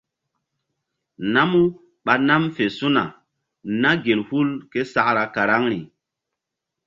Namu ɓa nam fe su̧na na gel hul késakra karaŋri.